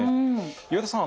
岩田さん